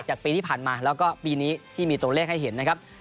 ปีที่ผ่านมาแล้วก็ปีนี้ที่มีตัวเลขให้เห็นนะครับ